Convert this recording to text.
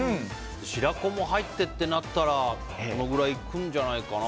白子も入ってってなったらこのぐらいいくんじゃないかな。